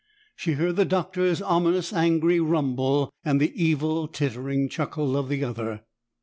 She heard the Doctor's ominous, angry rumble, and the evil tittering chuckle of the other.